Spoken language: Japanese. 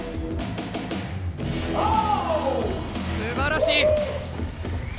すばらしい。